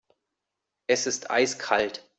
Es ist eiskalt.